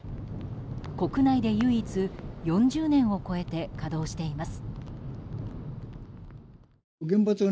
国内で唯一４０年を超えて稼働しています。